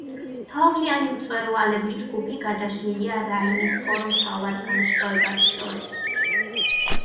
თოვლიანი მწვერვალების ჯგუფი გადაშლილია რაინის ორ მთავარ განშტოებას შორის.